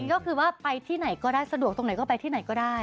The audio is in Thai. ก็คือว่าไปที่ไหนก็ได้สะดวกตรงไหนก็ไปที่ไหนก็ได้